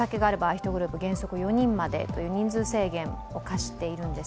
１グループ原則４人までという人数制限を課しているんです。